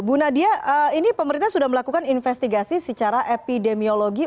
bu nadia ini pemerintah sudah melakukan investigasi secara epidemiologi